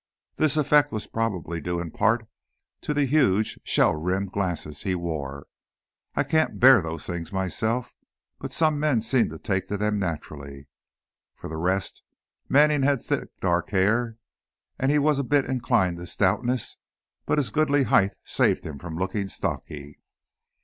This effect was probably due in part to the huge shell rimmed glasses he wore. I can't bear those things myself, but some men seem to take to them naturally. For the rest, Manning had thick, dark hair, and he was a bit inclined to stoutness, but his goodly height saved him from looking stocky.